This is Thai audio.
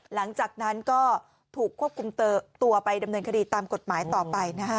หลังจากนั้นก็ถูกควบคุมตัวไปดำเนินคดีตามกฎหมายต่อไปนะคะ